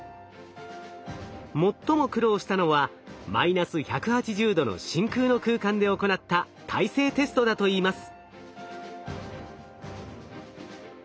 最も苦労したのはマイナス１８０℃の真空の空間で行った耐性テストだといいます。